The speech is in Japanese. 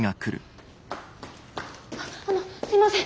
あっあのすいません